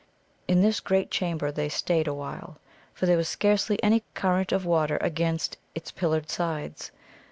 In this great chamber they stayed awhile, for there was scarcely any current of water against its pillared sides.